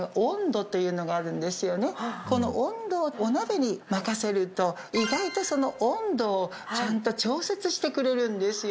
この温度をお鍋に任せると意外と温度をちゃんと調節してくれるんですよ。